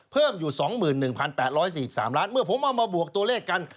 เพิ่มอยู่๒๑๘๔๓ล้านเมื่อผมเอามาบวกตัวเลขกัน